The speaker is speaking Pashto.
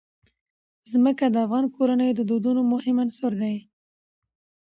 ځمکه د افغان کورنیو د دودونو مهم عنصر دی.